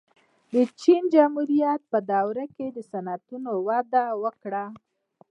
د چین جمهوریت په دوره کې صنعتونه وده وکړه.